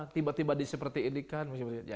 tiba tiba diseperti ini kan